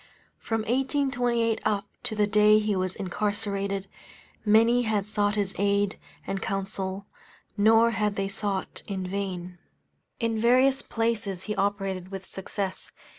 From 1828 up to the day he was incarcerated, many had sought his aid and counsel, nor had they sought in vain. In various places he operated with success.